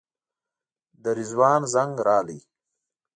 د رضوان زنګ راغی.